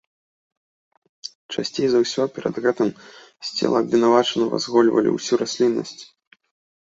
Часцей за ўсё перад гэтым з цела абвінавачанага згольвалі ўсю расліннасць.